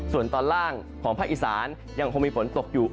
ส่วนตอนล่างของภาคอีสานยังคงมีฝนตกอยู่